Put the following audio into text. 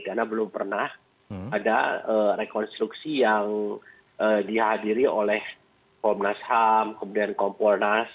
karena belum pernah ada rekonstruksi yang dihadiri oleh komnas ham kemudian kompornas